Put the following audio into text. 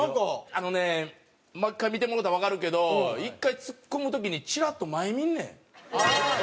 あのねもう一回見てもろたらわかるけど１回ツッコむ時にチラッと前見んねん。